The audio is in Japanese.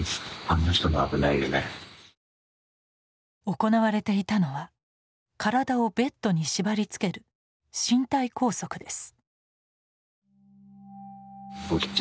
行われていたのは体をベッドに縛りつける身体拘束です。